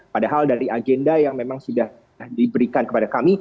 padahal dari agenda yang memang sudah diberikan kepada kami